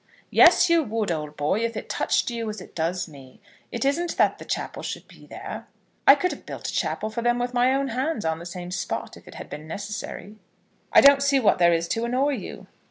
"Yes, you would, old boy, if it touched you as it does me. It isn't that the chapel should be there. I could have built a chapel for them with my own hands on the same spot, if it had been necessary." "I don't see what there is to annoy you."